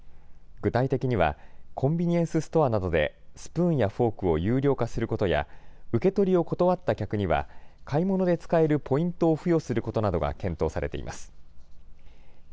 具体的にはコンビニエンスストアなどでスプーンやフォークを有料化することや受け取りを断った客には買い物で使えるポイントを付与することなどが検討されています。